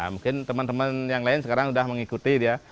mungkin teman teman yang lain sekarang sudah mengikuti dia